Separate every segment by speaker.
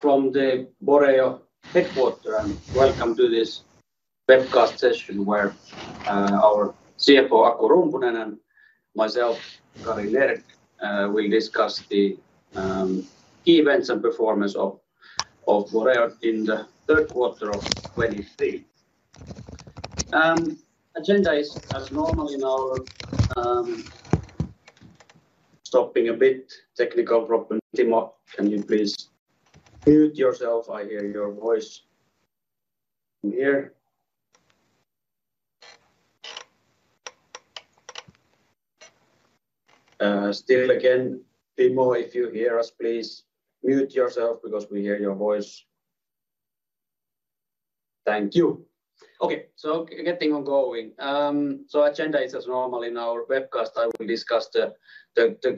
Speaker 1: From the Boreo headquarters, welcome to this webcast session where our CFO, Aku Rumpunen, and myself, Kari Nerg, will discuss the key events and performance of Boreo in the Q3 of 2023. Agenda is as normal in our webcast. Stopping a bit, technical problem. Timo, can you please mute yourself? I hear your voice from here. Still again, Timo, if you hear us, please mute yourself because we hear your voice. Thank you! Okay, so getting on going. So agenda is as normal in our webcast. I will discuss the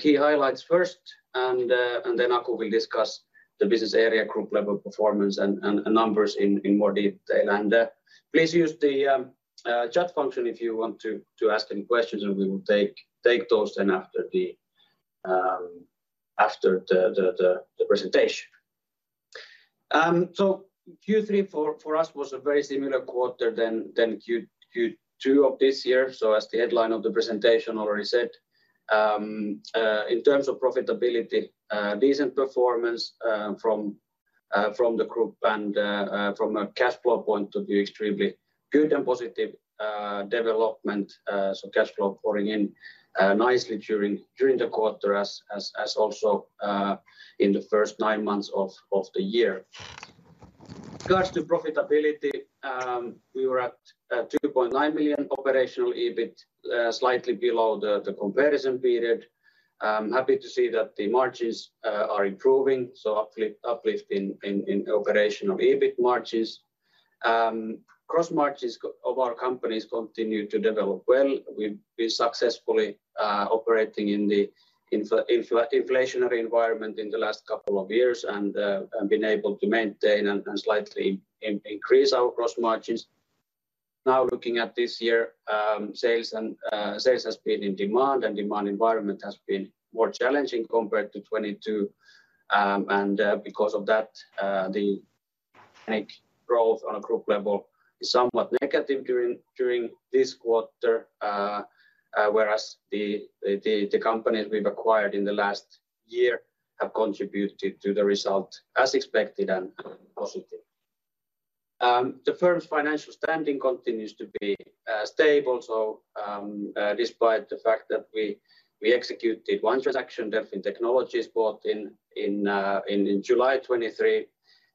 Speaker 1: key highlights first, and then Aku will discuss the business area, group level performance and numbers in more detail. Please use the chat function if you want to ask any questions, and we will take those then after the presentation. So Q3 for us was a very similar quarter than Q2 of this year. So as the headline of the presentation already said, in terms of profitability, a decent performance from the group and from a cash flow point of view, extremely good and positive development. So cash flow pouring in nicely during the quarter as also in the first nine months of the year. Regards to profitability, we were at 2.9 million operational EBIT, slightly below the comparison period. I'm happy to see that the margins are improving, so uplift in operational EBIT margins. Gross margins of our companies continue to develop well. We've been successfully operating in the inflationary environment in the last couple of years and been able to maintain and slightly increase our gross margins. Now, looking at this year, sales and demand environment has been more challenging compared to 2022. Because of that, the organic growth on a group level is somewhat negative during this quarter, whereas the companies we've acquired in the last year have contributed to the result as expected and positive. The firm's financial standing continues to be stable. Despite the fact that we executed one transaction, Delfin Technologies, bought in July 2023,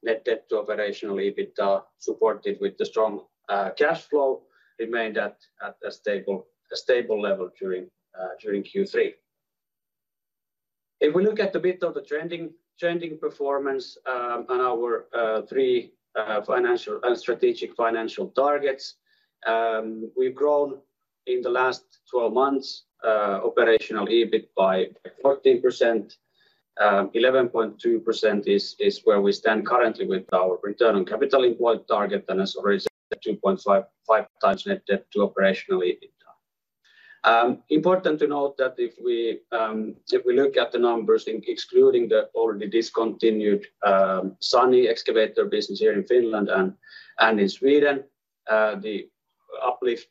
Speaker 1: net debt to operational EBITDA, supported with the strong cash flow, remained at a stable level during Q3. If we look at a bit of the trending performance on our three financial and strategic financial targets, we've grown in the last 12 months operational EBIT by 14%. 11 point 2% is where we stand currently with our return on capital employed target and as already said, 2.55x net debt to operational EBITDA. Important to note that if we look at the numbers excluding the already discontinued SANY excavator business here in Finland and in Sweden, the uplift...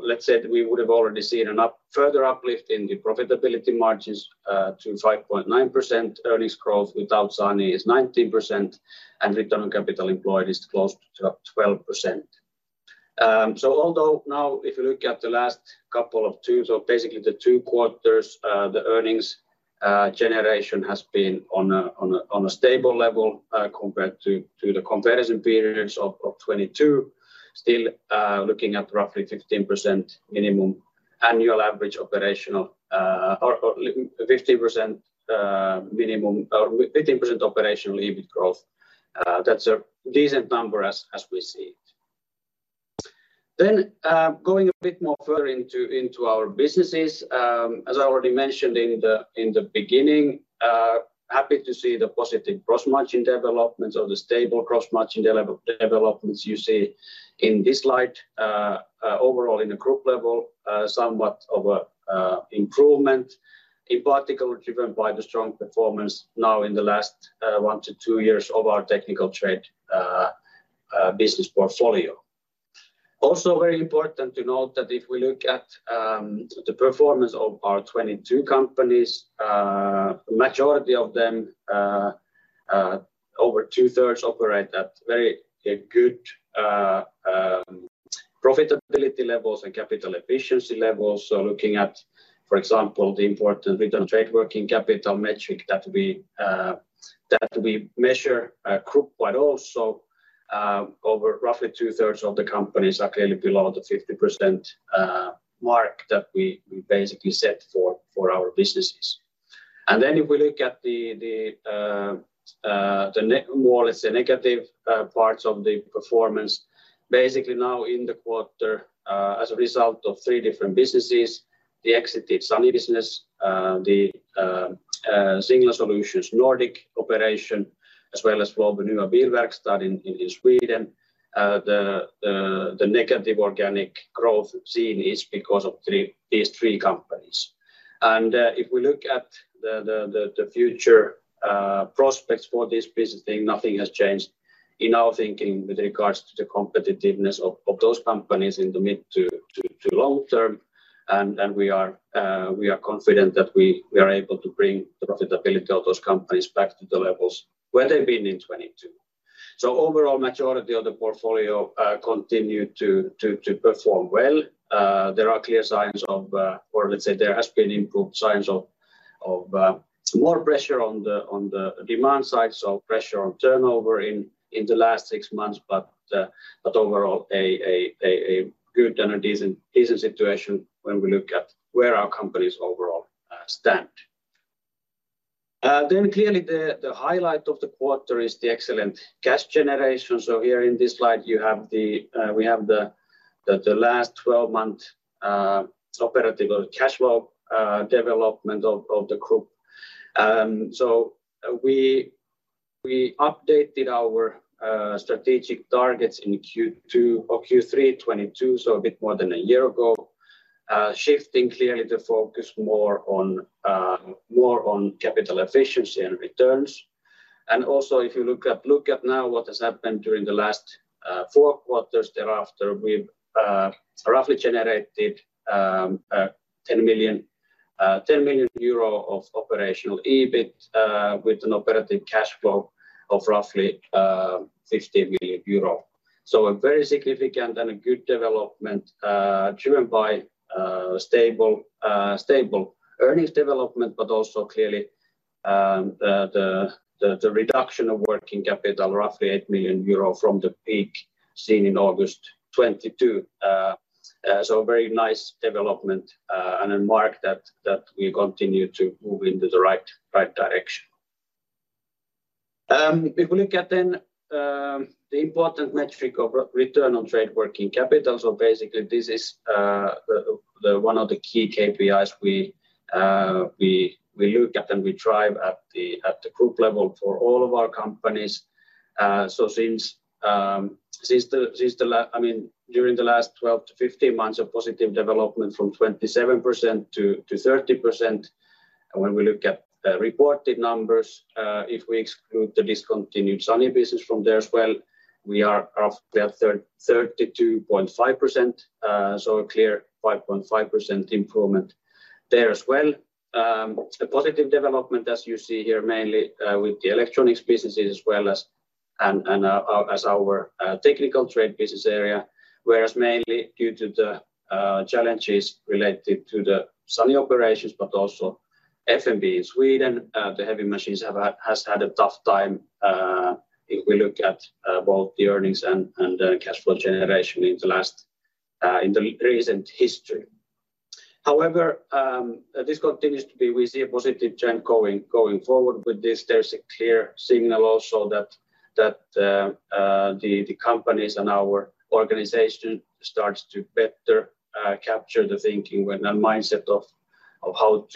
Speaker 1: Let's say we would have already seen an up, further uplift in the profitability margins to 5.9%. Earnings growth without SANY is 19%, and return on capital employed is close to 12%. So although now, if you look at the last couple of two, so basically the two quarters, the earnings generation has been on a stable level compared to the comparison periods of 2022. Still, looking at roughly 15% minimum annual average operational, or 15% minimum, or 15% operational EBIT growth, that's a decent number as we see it. Then, going a bit more further into our businesses, as I already mentioned in the beginning, happy to see the positive gross margin developments or the stable gross margin level developments you see in this light. Overall, in the group level, somewhat of a improvement, in particular, driven by the strong performance now in the last one-two years of our technical trade business portfolio. Also very important to note that if we look at the performance of our 22 companies, majority of them, over 2/3, operate at very good profitability levels and capital efficiency levels. Looking at, for example, the important return on trade working capital metric that we measure group wide also, over roughly 2/3 of the companies are clearly below the 50% mark that we basically set for our businesses. If we look at the more or less negative parts of the performance, basically now in the quarter, as a result of three different businesses, the exited SANY business, the Signal Solutions Nordic operation, as well as Floby Nya Bilverkstad in Sweden, the negative organic growth seen is because of these three companies. If we look at the future prospects for this business thing, nothing has changed in our thinking with regards to the competitiveness of those companies in the mid- to long term. We are confident that we are able to bring the profitability of those companies back to the levels where they've been in 2022. So overall, majority of the portfolio continued to perform well. There are clear signs of—or let's say there has been improved signs of—more pressure on the demand side, so pressure on turnover in the last six months. But overall, a good and a decent situation when we look at where our companies overall stand. Then, clearly, the highlight of the quarter is the excellent cash generation. So here in this slide, you have the last 12-month operating cash flow development of the group. So we updated our strategic targets in Q2 or Q3 2022, so a bit more than a year ago, shifting clearly the focus more on capital efficiency and returns. And also, if you look at now what has happened during the last four quarters thereafter, we've roughly generated EUR 10 million of operational EBIT, with an operating cash flow of roughly 50 million euro. So a very significant and a good development, driven by stable earnings development, but also clearly the reduction of working capital, roughly 8 million euro from the peak seen in August 2022. So very nice development, and a mark that we continue to move into the right direction. If we look at then the important metric of return on trade working capital. So basically, this is the one-off the key KPIs we look at and we drive at the group level for all of our companies. So since I mean, during the last 12-15 months of positive development, from 27%-30%. When we look at the reported numbers, if we exclude the discontinued SANY business from there as well, we are roughly at 32.5%. So a clear 5.5% improvement there as well. A positive development, as you see here, mainly with the electronics businesses, as well as our technical trade business area, whereas mainly due to the challenges related to the SANY operations, but also FMB in Sweden, the heavy machines have had a tough time, if we look at both the earnings and cash flow generation in the recent history. However, this continues to be we see a positive trend going forward with this. There's a clear signal also that the companies and our organization starts to better capture the thinking and the mindset of how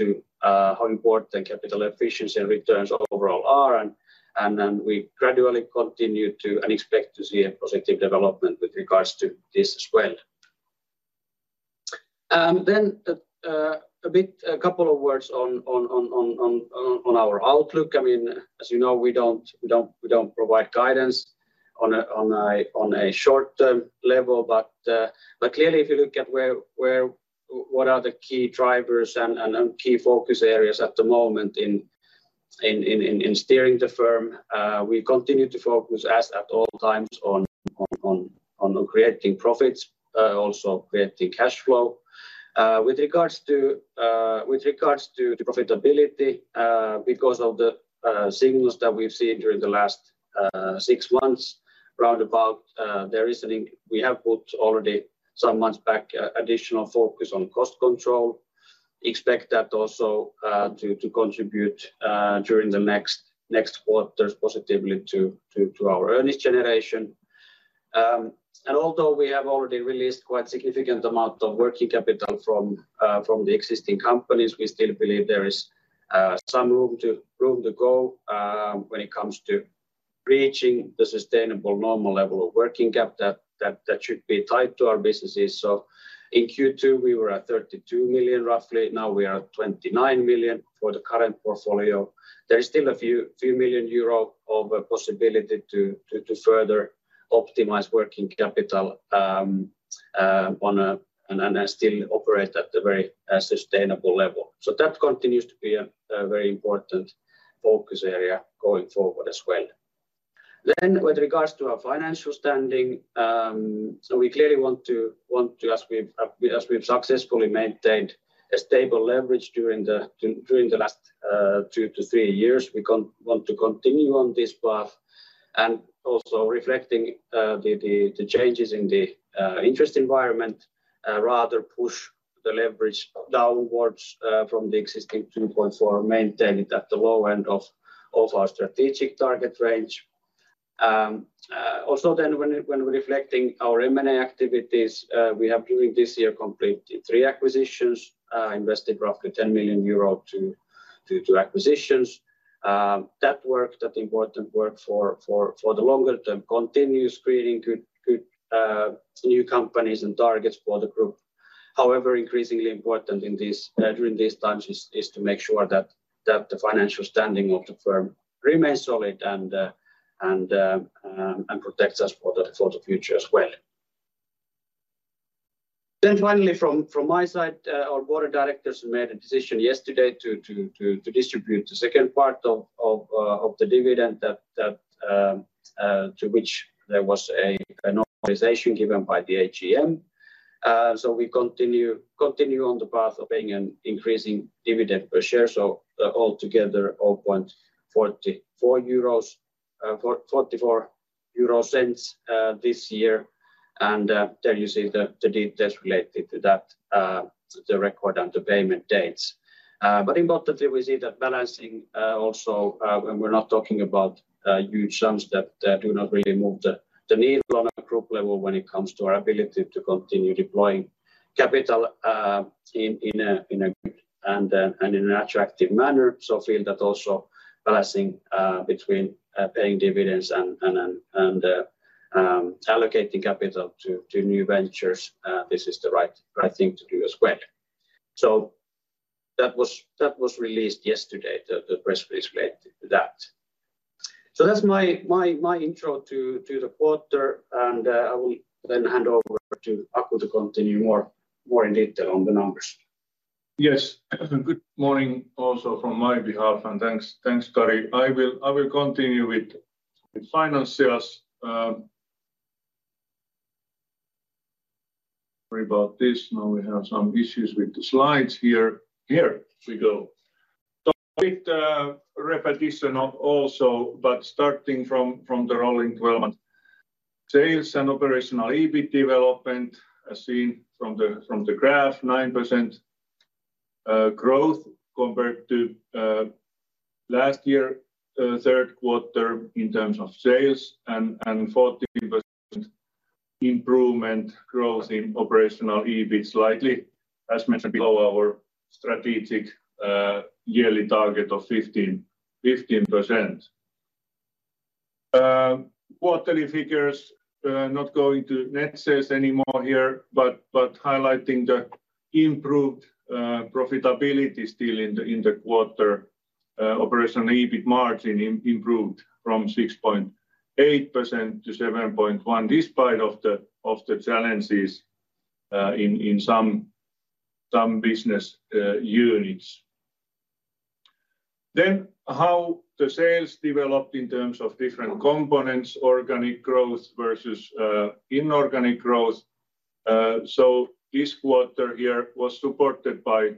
Speaker 1: important capital efficiency and returns overall are. And then we gradually continue to and expect to see a positive development with regards to this as well. Then a bit... a couple of words on our outlook. I mean, as you know, we don't provide guidance on a short-term level. But clearly, if you look at where what are the key drivers and key focus areas at the moment in steering the firm, we continue to focus as at all times on creating profits, also creating cash flow. With regards to the profitability, because of the signals that we've seen during the last six months, roundabout, there is an—we have put already some months back additional focus on cost control. Expect that also to contribute during the next quarters positively to our earnings generation. And although we have already released quite significant amount of working capital from the existing companies, we still believe there is some room to go when it comes to reaching the sustainable normal level of working cap that should be tied to our businesses. So in Q2, we were at 32 million, roughly. Now we are at 29 million for the current portfolio. There is still a few million euro of possibility to further optimize working capital, and still operate at a very sustainable level. So that continues to be a very important focus area going forward as well. Then with regards to our financial standing, so we clearly want to, as we've successfully maintained a stable leverage during the last two-three years, we want to continue on this path and also reflecting the changes in the interest environment, rather push the leverage downwards from the existing 2.4, maintain it at the low end of our strategic target range. Also then when reflecting our M&A activities, we have during this year completed three acquisitions, invested roughly 10 million euro to acquisitions. That important work for the longer term continues creating good new companies and targets for the group. However, increasingly important during these times is to make sure that the financial standing of the firm remains solid and protects us for the future as well. Then finally, from my side, our board of directors made a decision yesterday to distribute the second part of the dividend to which there was a normalization given by the AGM. So we continue on the path of paying an increasing dividend per share. So altogether, 0.44 euros this year. And there you see the details related to that, the record and the payment dates. But importantly, we see that balancing also, when we're not talking about huge sums that do not really move the needle on a group level when it comes to our ability to continue deploying capital in an attractive manner. So we feel that also balancing between paying dividends and allocating capital to new ventures, this is the right thing to do as well. So that was released yesterday, the press release related to that. That's my intro to the quarter, and I will then hand over to Aku to continue more in detail on the numbers.
Speaker 2: Yes. Good morning also from my behalf, and thanks, thanks, Kari. I will, I will continue with the financials. Sorry about this. Now we have some issues with the slides here. Here we go. So a bit repetition of also, but starting from the rolling development. Sales and operational EBIT development, as seen from the graph, 9% growth compared to last year Q3 in terms of sales and 14% improvement growth in operational EBIT slightly below our strategic yearly target of15%. Quarterly figures, not going to net sales anymore here, but, but highlighting the improved profitability still in the quarter, operational EBIT margin improved from 6.8%-7.1%, despite the challenges in some business units. Then, how the sales developed in terms of different components, organic growth versus inorganic growth. So this quarter here was supported by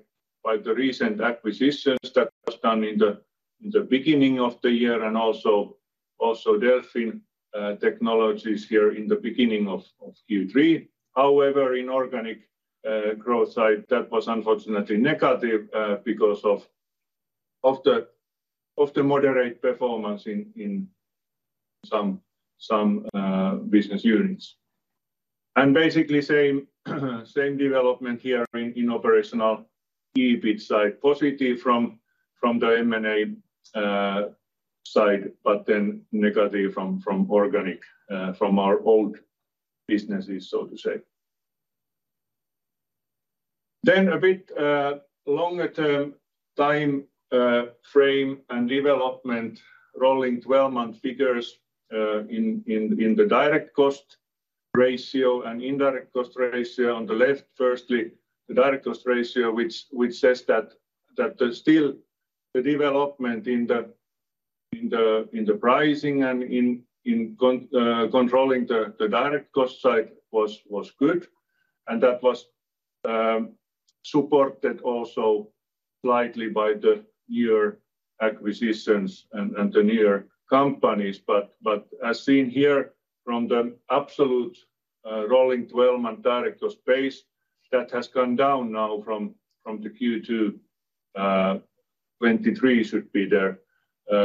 Speaker 2: the recent acquisitions that was done in the beginning of the year and also Delfin Technologies here in the beginning of Q3. However, in organic growth side, that was unfortunately negative, because of the moderate performance in some business units. And basically same, same development here in, in operational EBIT side, positive from, from the M&A, side, but then negative from, from organic, from our own businesses, so to say. Then a bit, longer term time, frame and development, rolling 12-month figures, in, in, in the direct cost ratio and indirect cost ratio on the left. Firstly, the direct cost ratio, which, which says that, that there's still the development in the, in the, in the pricing and in, in con, controlling the, the direct cost side was, was good, and that was, supported also slightly by the newer acquisitions and, and the newer companies. But, but as seen here from the absolute, rolling 12-month direct cost base, that has gone down now from the Q2, 2023 should be there.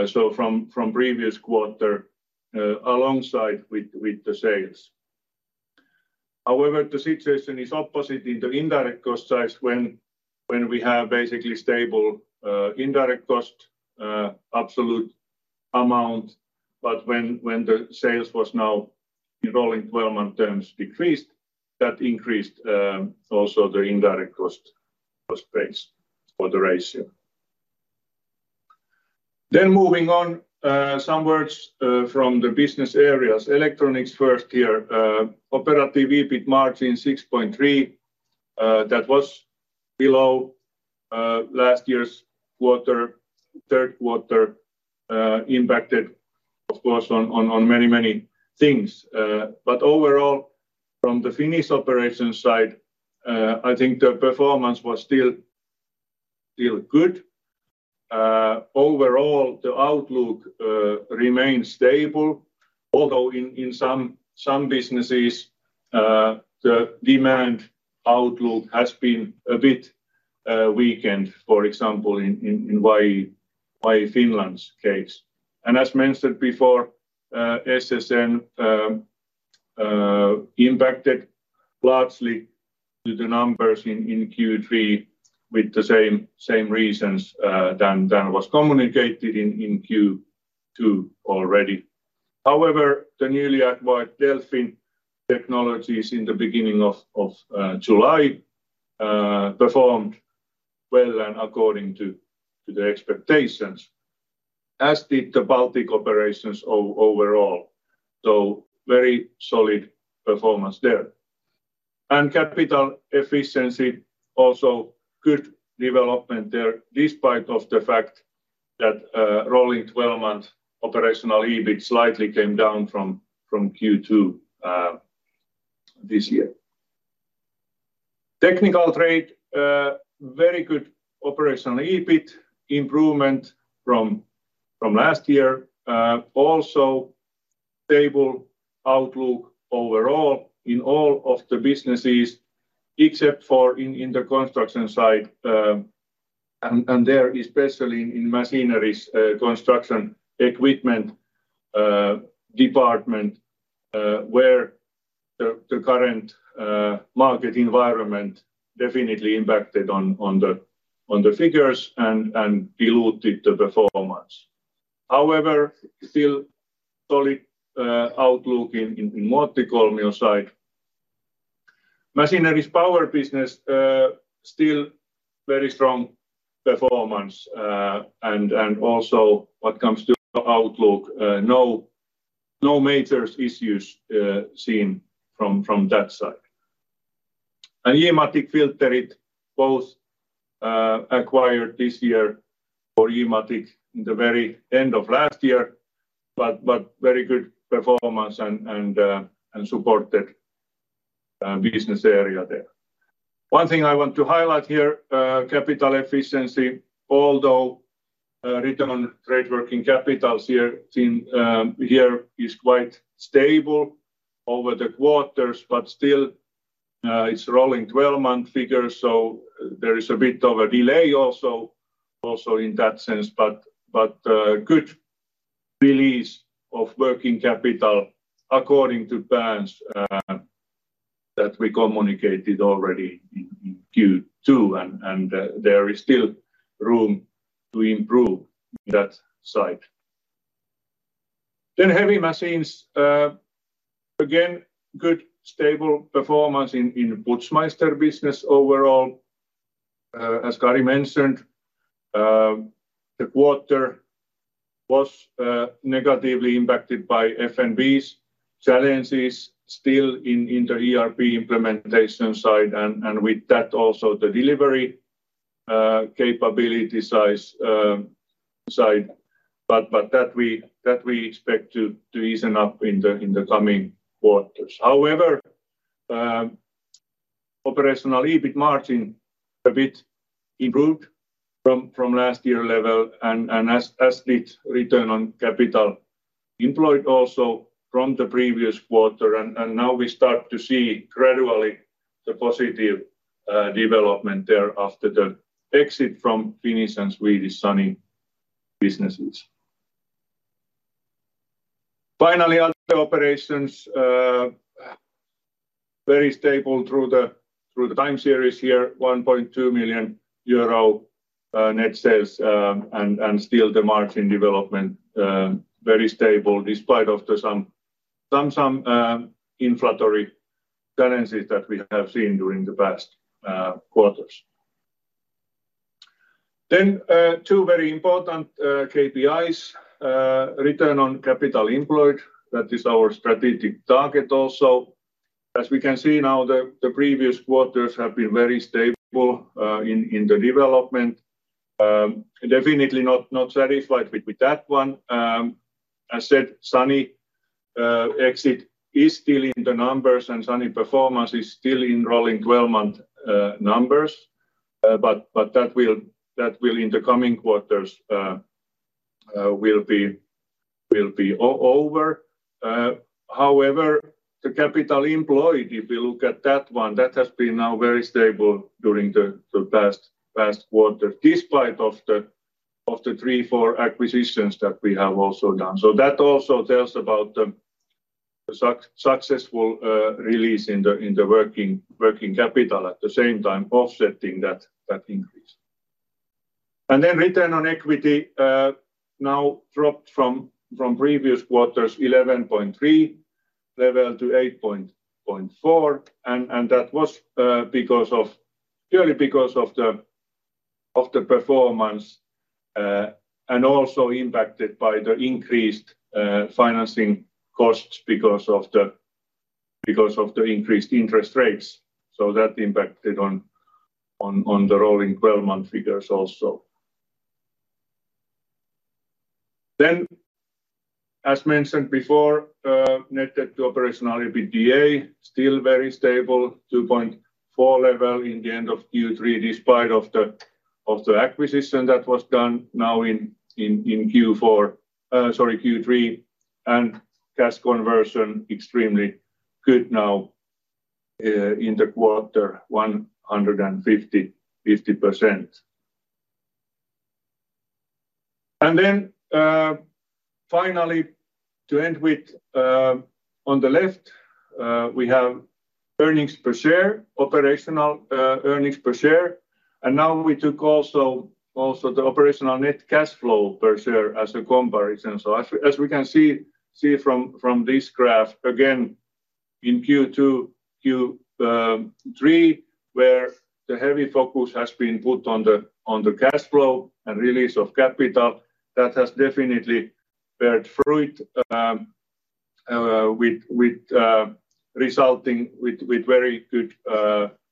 Speaker 2: So from previous quarter, alongside with the sales. However, the situation is opposite in the indirect cost side when we have basically stable indirect cost absolute amount, but when the sales was now in rolling 12-month terms decreased, that increased also the indirect cost cost base for the ratio. Then moving on, some words from the business areas. Electronics first here, Operational EBIT margin 6.3%, that was below last year's Q3, impacted, of course on many things. But overall, from the Finnish operations side, I think the performance was still good. Overall, the outlook remains stable, although in some businesses the demand outlook has been a bit weakened, for example, in YE Finland case. As mentioned before, SSN impacted largely to the numbers in Q3 with the same reasons than was communicated in Q2 already. However, the newly acquired Delfin Technologies in the beginning of July performed well and according to the expectations, as did the Baltic operations overall. So very solid performance there. And capital efficiency, also good development there, despite the fact that rolling 12-month operational EBIT slightly came down from Q2 this year. Technical Trade very good operational EBIT improvement from last year. Also stable outlook overall in all of the businesses, except for in the construction side, and there, especially in Machinery's, construction equipment department, where the current market environment definitely impacted on the figures and diluted the performance. However, still solid outlook in Muottikolmio side. Machinery's Power business, still very strong performance, and also what comes to outlook, no major issues seen from that side. And Filterit Oy, both acquired this year for Filterit in the very end of last year, but very good performance and supported business area there. One thing I want to highlight here, capital efficiency, although, return on trade working capital here in, here is quite stable over the quarters, but still, it's rolling 12-month figures, so there is a bit of a delay also in that sense. But good release of working capital according to plans that we communicated already in Q2, and there is still room to improve that side. Then Heavy Machines, again, good, stable performance in the Putzmeister business overall. As Kari mentioned, the quarter was negatively impacted by FMB's challenges still in the ERP implementation side, and with that, also the delivery capability size side. But that we expect to ease up in the coming quarters. However, operational EBIT margin a bit improved from last year level, and as did return on capital employed also from the previous quarter. And now we start to see gradually the positive development there after the exit from Finnish and Swedish SANY businesses. Finally, other operations very stable through the time series here, 1.2 million euro net sales, and still the margin development very stable, despite some inflationary challenges that we have seen during the past quarters. Then, two very important KPIs, return on capital employed. That is our strategic target also. As we can see now, the previous quarters have been very stable in the development. Definitely not satisfied with that one. I said SANY, exit is still in the numbers, and SANY performance is still in rolling 12-month numbers, but that will in the coming quarters will be over. However, the capital employed, if we look at that one, that has been now very stable during the past quarter, despite the three, four acquisitions that we have also done. So that also tells about the successful release in the working capital, at the same time offsetting that increase. And then return on equity now dropped from previous quarters, 11.3 level to 8.4, and that was because of... purely because of the performance and also impacted by the increased financing costs because of the increased interest rates. So that impacted on the rolling 12-month figures also. Then, as mentioned before, net debt to operational EBITDA still very stable, 2.4 level in the end of Q3, despite of the acquisition that was done now in Q4, sorry, Q3. And cash conversion extremely good now in the quarter, 150, 50%. And then, finally, to end with, on the left, we have earnings per share, operational earnings per share. And now we took also the operational net cash flow per share as a comparison. So as we can see from this graph, again, in Q3, where the heavy focus has been put on the cash flow and release of capital, that has definitely bear fruit with resulting with very good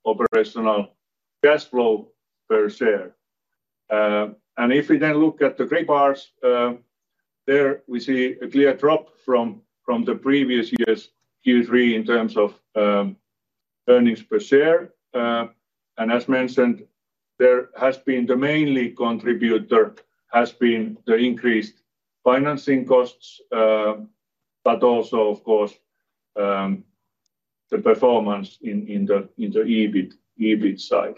Speaker 2: operational cash flow per share. And if we then look at the gray bars, there we see a clear drop from the previous years' Q3 in terms of earnings per share. And as mentioned, the main contributor has been the increased financing costs, but also, of course, the performance in the EBIT side.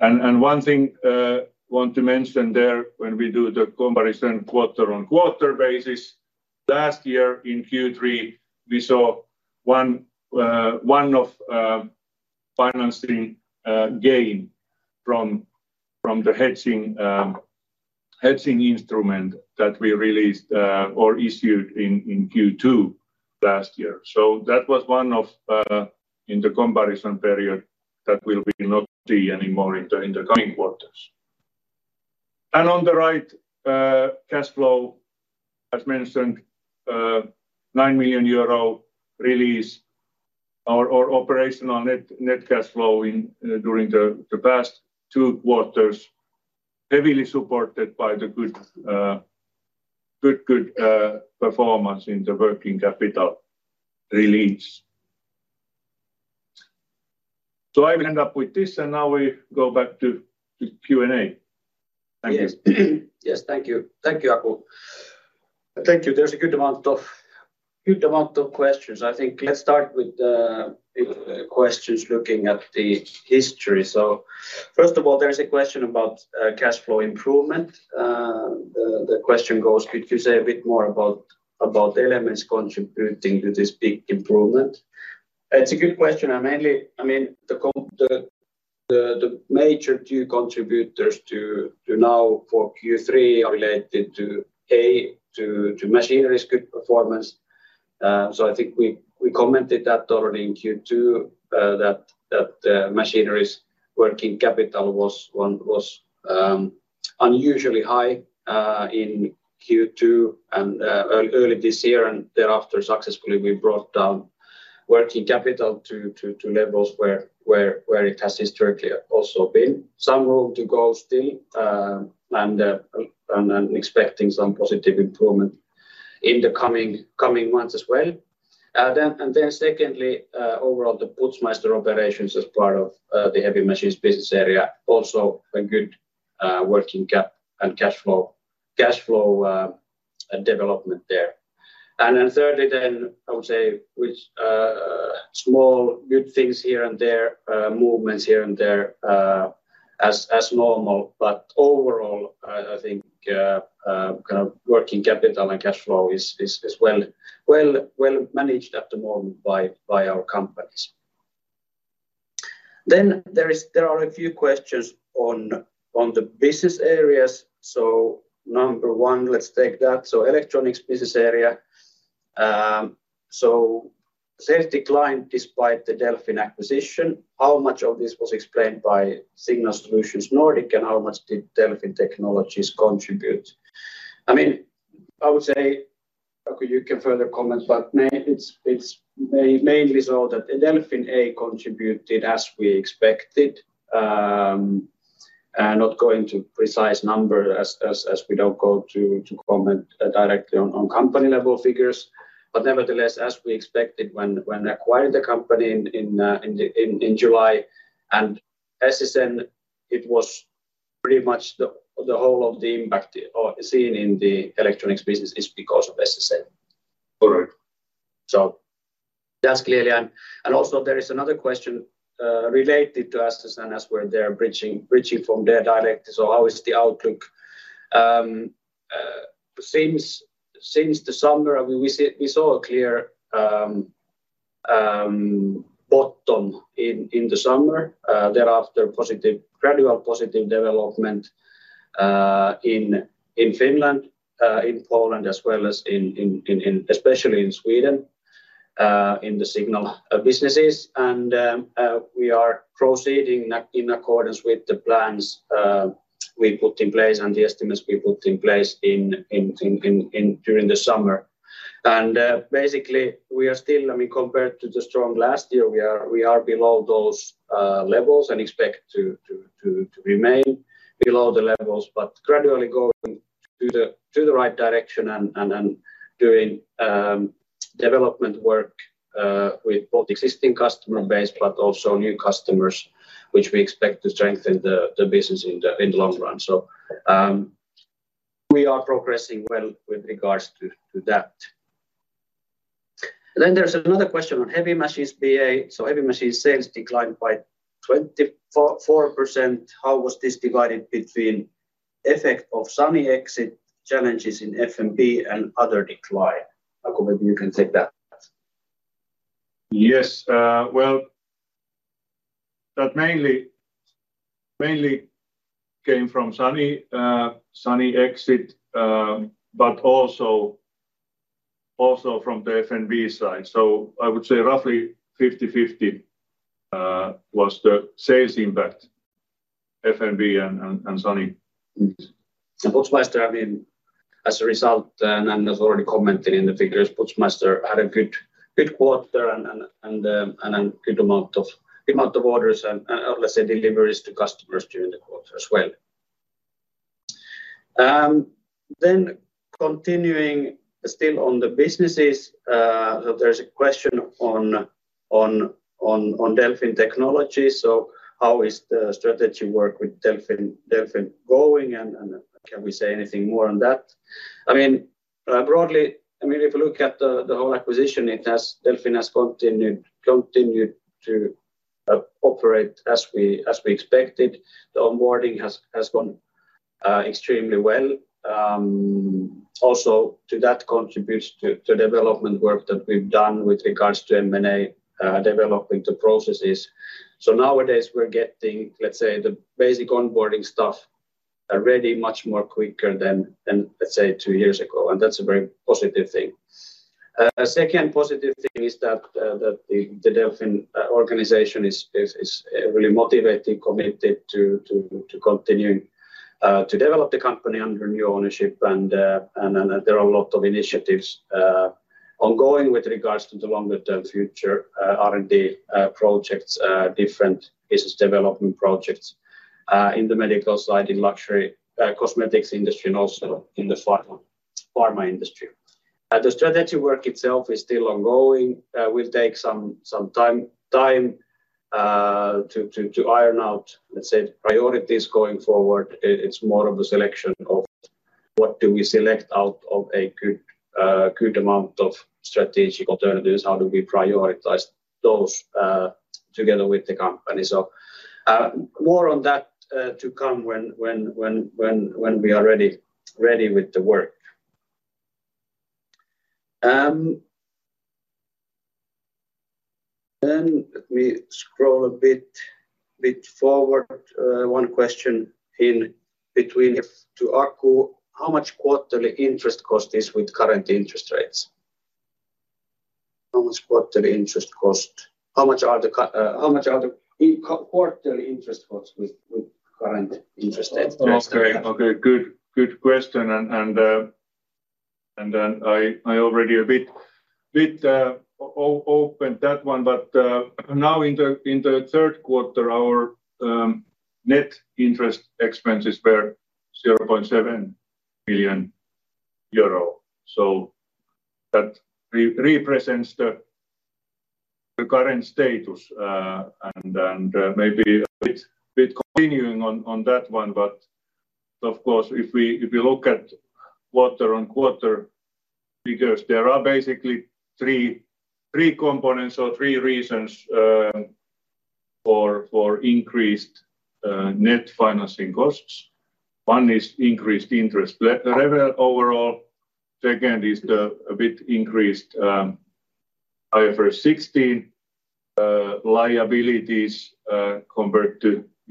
Speaker 2: One thing I want to mention there, when we do the comparison quarter-on-quarter basis, last year in Q3, we saw one-off financing gain from the hedging instrument that we released or issued in Q2 last year. So that was one-off in the comparison period that we'll be not see anymore in the coming quarters. On the right, cash flow, as mentioned, 9 million euro release or operational net cash flow during the past two quarters, heavily supported by the good performance in the working capital release. So I will end up with this, and now we go back to the Q&A. Thank you.
Speaker 1: Yes, thank you. Thank you, Aku. Thank you. There's a good amount of questions. I think let's start with the questions looking at the history. So first of all, there's a question about cash flow improvement. The question goes, could you say a bit more about the elements contributing to this big improvement? It's a good question, and mainly, I mean, the major two contributors to now for Q3 are related to, A, to Machinery's good performance. So I think we commented that already in Q2, that the Machinery's working capital was one, was unusually high in Q2 and early this year, and thereafter successfully, we brought down working capital to levels where it has historically also been. Some room to go still, and expecting some positive improvement in the coming months as well. Then secondly, overall, the Putzmeister operations as part of the heavy machines business area, also a good working cap and cash flow development there. And then thirdly, I would say small good things here and there, movements here and there, as normal, but overall, I think kind of working capital and cash flow is well managed at the moment by our companies. Then there are a few questions on the business areas. So number one, let's take that. So electronics business area. So sales declined despite the Delfin acquisition. How much of this was explained by Signal Solutions Nordic, and how much did Delfin Technologies contribute? I mean, I would say, Aku, you can further comment, but mainly it's mainly so that Delfin, A, contributed as we expected. Not going to precise number as we don't go to comment directly on company level figures, but nevertheless, as we expected when acquiring the company in July, and SSN, it was pretty much the whole of the impact or seen in the electronics business is because of SSN.
Speaker 2: Correct.
Speaker 1: So that's clearly... And also there is another question related to SSN as we're there bridging from there directly. So how is the outlook? Since the summer, we saw a clear bottom in the summer, thereafter, positive, gradual positive development in Finland, in Poland, as well as especially in Sweden, in the signal businesses. And we are proceeding in accordance with the plans we put in place and the estimates we put in place during the summer. Basically, we are still, I mean, compared to the strong last year, we are below those levels and expect to remain below the levels, but gradually going to the right direction and doing development work with both existing customer base but also new customers, which we expect to strengthen the business in the long run. So, we are progressing well with regards to that. And then there's another question on heavy machines BA. So heavy machines sales declined by 24.4%. How was this divided between effect of SANY exit challenges in FMB and other decline? Aku, maybe you can take that.
Speaker 2: Yes, well, that mainly came from SANY exit, but also from the FMB side. So I would say roughly 50/50 was the sales impact, FMB and SANY.
Speaker 1: Putzmeister, I mean, as a result, as already commented in the figures, Putzmeister had a good quarter and a good amount of orders and let's say deliveries to customers during the quarter as well. Then continuing still on the businesses, so there's a question on Delfin Technologies. So how is the strategy work with Delfin Technologies going, and can we say anything more on that? I mean, broadly, I mean, if you look at the whole acquisition, it has Delfin Technologies has continued to operate as we expected. The onboarding has gone extremely well. Also to that contributes to development work that we've done with regards to M&A, developing the processes. So nowadays we're getting, let's say, the basic onboarding stuff already much more quicker than, let's say, two years ago, and that's a very positive thing. Second positive thing is that the Delfin organization is really motivated, committed to continuing to develop the company under new ownership. And there are a lot of initiatives ongoing with regards to the longer-term future, R&D projects, different business development projects, in the medical side, in luxury cosmetics industry, and also in the pharma industry. The strategy work itself is still ongoing. We'll take some time to iron out, let's say, priorities going forward. It's more of a selection of what do we select out of a good amount of strategic alternatives? How do we prioritize those together with the company? So, more on that to come when we are ready with the work. Then let me scroll a bit forward. One question in between to Aku, how much quarterly interest cost is with current interest rates? How much are the quarterly interest costs with current interest rates?
Speaker 2: Okay. Okay, good question, and then I already a bit opened that one, but now in the Q3, our net interest expenses were 0.7 million euro. So that represents the current status, and maybe a bit continuing on that one. But of course, if we look at quarter-on-quarter, because there are basically three components or three reasons for increased net financing costs. One is increased interest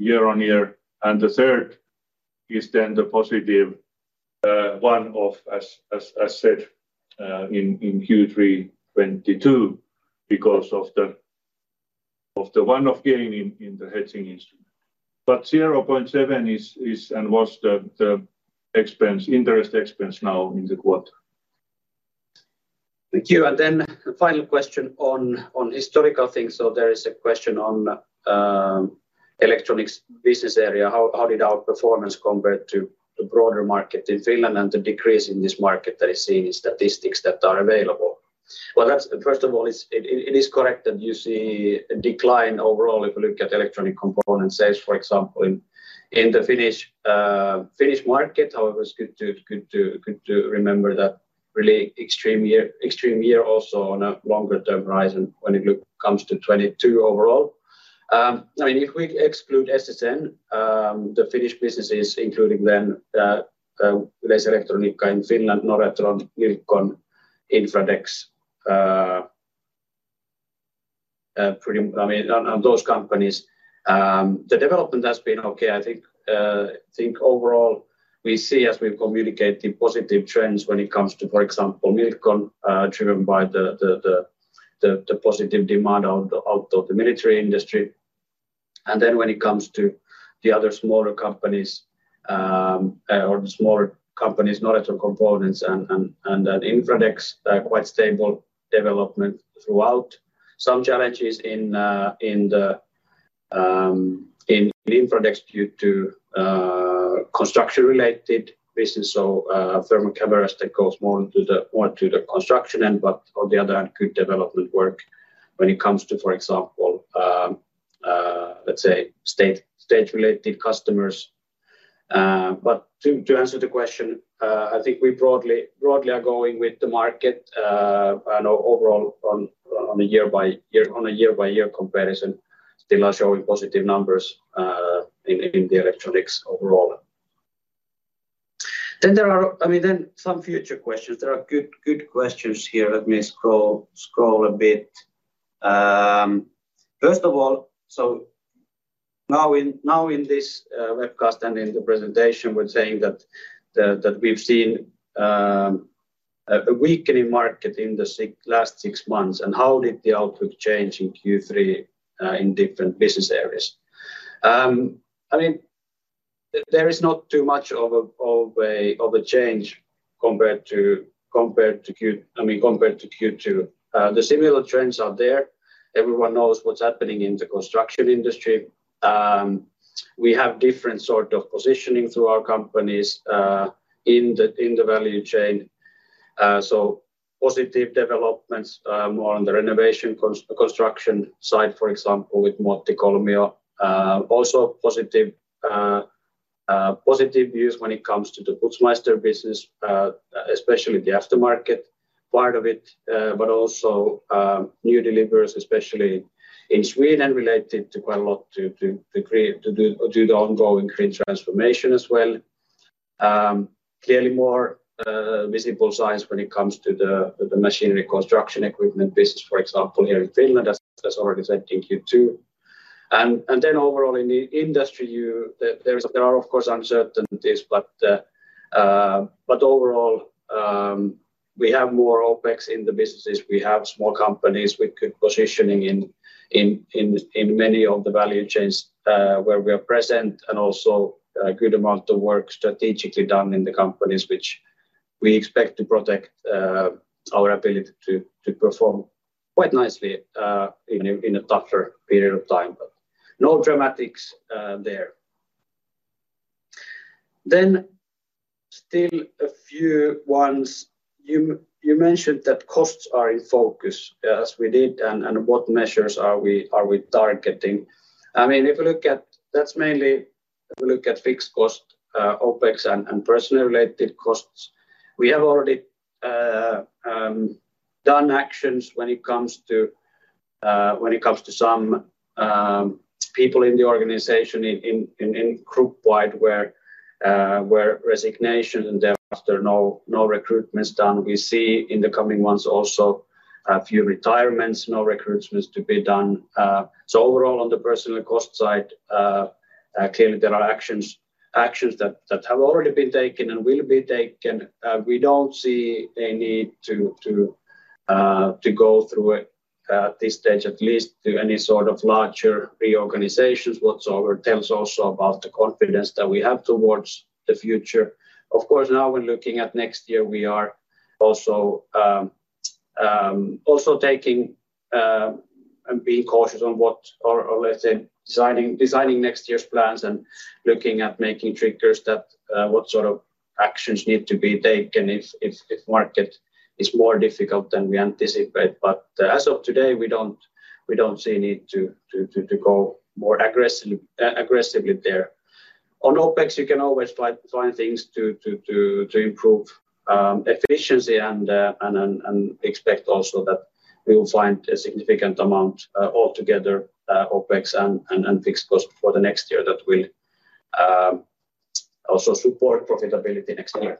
Speaker 2: level overall. Second is the a bit increased IFRS 16 liabilities compared to year-on-year. And the third is then the positive one-off as said in Q3 2022, because of the one-off gain in the hedging instrument. But 0.7 is and was the expense, interest expense now in the quarter.
Speaker 1: Thank you. And then the final question on historical things. So there is a question on electronics business area. How did our performance compare to the broader market in Finland and the decrease in this market that is seen in statistics that are available? Well, that's, first of all, it is correct that you see a decline overall if you look at electronic component sales, for example, in the Finnish market. However, it's good to remember that really extreme year also on a longer term horizon when it comes to 2022 overall. I mean, if we exclude SSN, the Finnish businesses, including then Elfa electronics in Finland, Noretron, Milcon, Infradex, pretty, I mean, on those companies, the development has been okay. I think, I think overall, we see as we communicate the positive trends when it comes to, for example, Milcon, driven by the positive demand out of the military industry. And then when it comes to the other smaller companies, or the smaller companies, Noretron Components and Infradex, quite stable development throughout. Some challenges in Infradex due to construction-related business, so thermal cameras that goes more into the, more to the construction end, but on the other hand, good development work when it comes to, for example, let's say, state-related customers. But to answer the question, I think we broadly are going with the market, and overall on a year-by-year comparison, still are showing positive numbers in the electronics overall. Then there are—I mean, then some future questions. There are good questions here. Let me scroll a bit. First of all, so now in this webcast and in the presentation, we're saying that we've seen a weakening market in the last six months, and how did the outlook change in Q3 in different business areas? I mean, there is not too much of a change compared to Q2. The similar trends are there. Everyone knows what's happening in the construction industry. We have different sort of positioning through our companies in the value chain. So positive developments, more on the renovation construction side, for example, with Muottikolmio. Also positive views when it comes to the Putzmeister business, especially the aftermarket part of it, but also new deliveries, especially in Sweden, related quite a lot due to the ongoing green transformation as well. Clearly more visible signs when it comes to the Machinery construction equipment business, for example, here in Finland, as already said in Q2. Then overall in the industry, there are, of course, uncertainties, but overall, we have more OpEx in the businesses. We have small companies with good positioning in many of the value chains where we are present, and also a good amount of work strategically done in the companies, which we expect to protect our ability to perform quite nicely in a tougher period of time, but no dramatics there. Then still a few ones. You mentioned that costs are in focus, as we did, and what measures are we targeting? I mean, if you look at... That's mainly if you look at fixed cost, OpEx, and personnel-related costs. We have already done actions when it comes to some people in the organization, in group wide, where resignation, and therefore, there are no recruitments done. We see in the coming months also a few retirements, no recruitments to be done. So overall, on the personal cost side, clearly there are actions, actions that, that have already been taken and will be taken. We don't see a need to, to, go through it, at this stage, at least to any sort of larger reorganizations. What's over tells also about the confidence that we have towards the future. Of course, now we're looking at next year, we are also, also taking, and being cautious on what- or, or let's say, designing, designing next year's plans and looking at making triggers that, what sort of actions need to be taken if, if, if market is more difficult than we anticipate. But as of today, we don't see a need to go more aggressively there. On OpEx, you can always find things to improve efficiency and expect also that we will find a significant amount altogether OpEx and fixed cost for the next year that will also support profitability next year.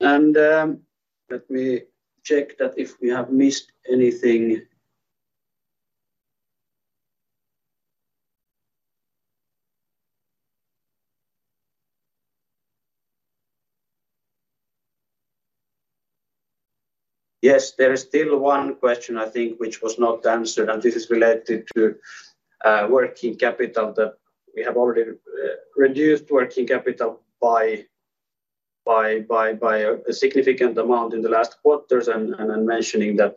Speaker 1: And let me check that if we have missed anything. Yes, there is still one question, I think, which was not answered, and this is related to working capital, that we have already reduced working capital by a significant amount in the last quarters, and mentioning that,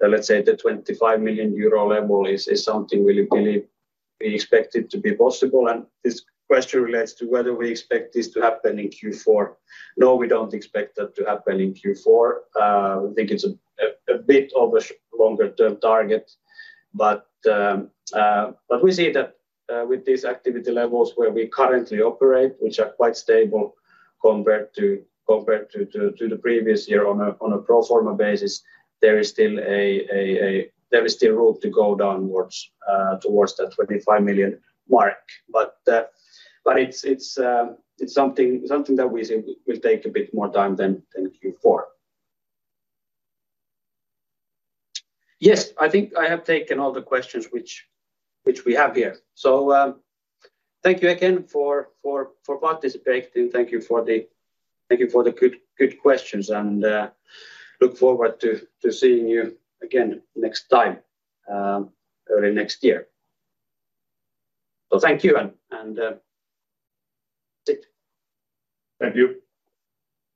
Speaker 1: let's say the 25 million euro level is something we believe we expect it to be possible. And this question relates to whether we expect this to happen in Q4. No, we don't expect that to happen in Q4. I think it's a bit of a longer-term target, but we see that with these activity levels where we currently operate, which are quite stable compared to the previous year on a pro forma basis, there is still a bit of room to go downwards towards the 25 million mark. But it's something that we think will take a bit more time than Q4. Yes, I think I have taken all the questions which we have here. So, thank you again for participating. Thank you for the good, good questions, and look forward to seeing you again next time, early next year. So thank you, and that's it.
Speaker 2: Thank you.